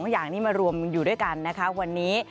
อย่างนี้มารวมอยู่ด้วยกันนะคะวันนี้